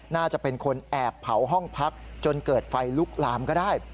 น่าจะเป็นคนแอบเผาห้องพักจนเกิดไฟลุกลามก็ได้